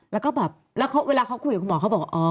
แล้วก็แบบเวลาเขาคุยกับคุณหมอเขาบอก